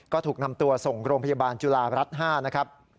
ก็ถูกนำตัวส่งโรงพยาบาลจุฬารัฐ๕นะครับ